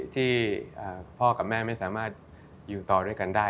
ที่พ่อกับแม่ไม่สามารถอยู่ต่อด้วยกันได้